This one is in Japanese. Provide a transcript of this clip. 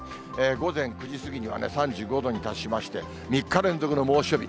午前９時過ぎには、３５度に達しまして、３日連続の猛暑日。